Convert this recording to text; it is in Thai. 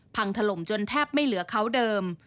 ถล่มจนแทบไม่เหลือเขาเดิม